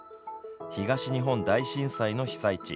東日本大震災の被災地